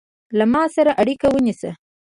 له ما سره اړیکه ونیسه